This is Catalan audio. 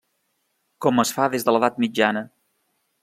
Com es fa des de l'edat mitjana.